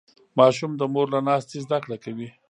ماشوم د مور له ناستې زده کړه کوي.